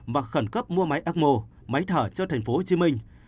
và khẩn cấp mua máy acmo máy thở cho thành phố hồ chí minh